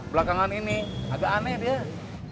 belakangan ini agak aneh dia